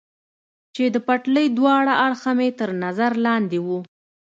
چې د پټلۍ دواړه اړخه مې تر نظر لاندې و.